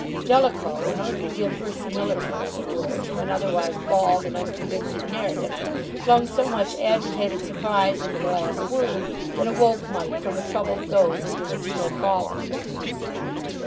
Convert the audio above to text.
'" Jellicoe, in order to give verisimilitude, as it were, to an otherwise bald and unconvincing narrative, flung so much agitated surprise into the last word that it woke Mike from a troubled doze into which he had fallen.